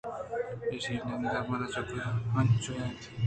ایشی ءِ نِھاد/بھا چنکس/چنچو اِنت؟